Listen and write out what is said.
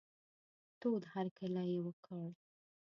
تود هرکلی یې وکړ.